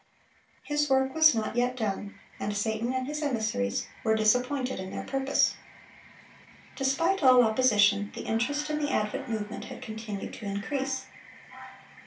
His work was not yet done, and Satan and his emissaries were disappointed in their purpose. Despite all opposition, the interest in the Advent Movement had continued to increase.